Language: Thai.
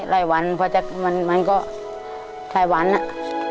รายหวันพอจะมันมันก็คลายหวันอ่ะ